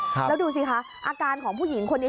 แล้วดูสิคะอาการของผู้หญิงคนนี้